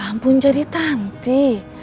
ya ampun jadi tanti